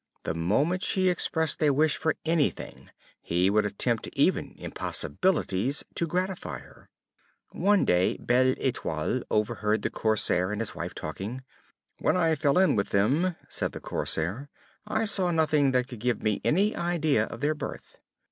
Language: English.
The moment she expressed a wish for anything, he would attempt even impossibilities to gratify her. One day Belle Etoile overheard the Corsair and his wife talking. "When I fell in with them," said the Corsair, "I saw nothing that could give me any idea of their birth."